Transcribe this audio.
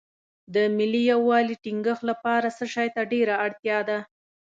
د ملي یووالي ټینګښت لپاره څه شی ته ډېره اړتیا ده.